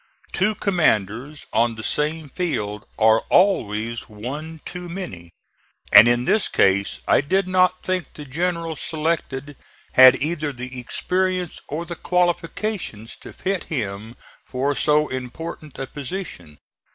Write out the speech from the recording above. Two commanders on the same field are always one too many, and in this case I did not think the general selected had either the experience or the qualifications to fit him for so important a position.